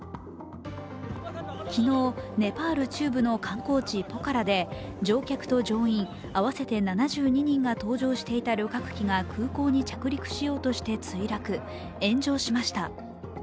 昨日ネパール中部の観光地ポカラで乗客と乗員、合わせて７２人が搭乗していた旅客機が空港に着陸しようとして墜落、炎上しました。